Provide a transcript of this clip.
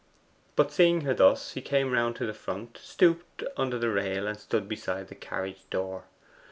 But seeing her thus, he came round to the front, stooped under the rail, and stood beside the carriage door.